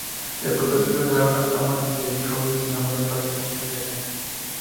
El protagonista de la obra, Amadís de Gaula, se enamora perdidamente de Oriana.